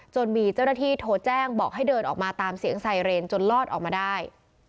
จนมีเจ้าหน้าที่โทรแจ้งบอกให้เดินออกมาตามเสียงไซเรนจนลอดออกมาได้